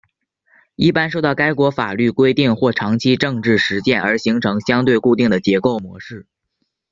一般受到该国法律规定或长期政治实践而形成相对固定的结构模式。